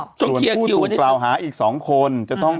ส่วนพูดบุกราวหาอีกสองคน